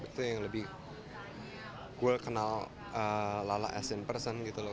itu yang lebih gue kenal lala as in person gitu loh